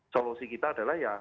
solusi kita adalah ya